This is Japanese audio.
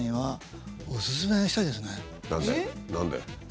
何で？